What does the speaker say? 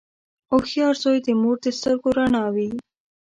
• هوښیار زوی د مور د سترګو رڼا وي.